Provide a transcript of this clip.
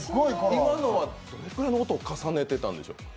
今のはどれぐらいの音を重ねてたんでしょうか？